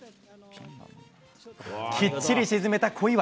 きっちり沈めた小祝。